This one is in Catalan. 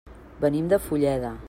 Venim de Fulleda.